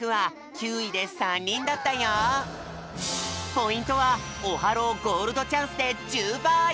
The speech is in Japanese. ポイントはオハローゴールドチャンスで１０ばい！